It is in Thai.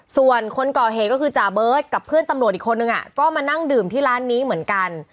ส่วนคนก่อเหตุก็คือจ่าเบิร์ตกับเพื่อนตำรวจอีกคนนึงก็มานั่งดื่มที่ร้านนี้เหมือนกัน